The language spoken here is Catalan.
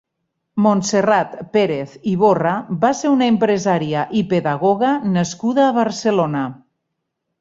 Montserrat Pérez Iborra va ser una empresària i pedagoga nascuda a Barcelona.